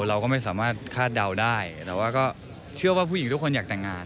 เราก็ไม่สามารถคาดเดาได้แต่ว่าก็เชื่อว่าผู้หญิงทุกคนอยากแต่งงาน